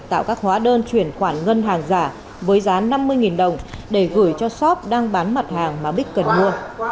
tạo các hóa đơn chuyển khoản ngân hàng giả với giá năm mươi đồng để gửi cho shop đang bán mặt hàng mà bích cần mua